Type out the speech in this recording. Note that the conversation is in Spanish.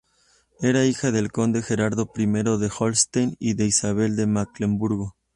Era hija del conde Gerardo I de Holstein y de Isabel de Mecklemburgo.